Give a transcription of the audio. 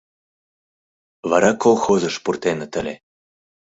Вара колхозыш пуртеныт ыле.